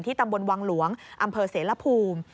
ตำบลวังหลวงอำเภอเสรภูมิ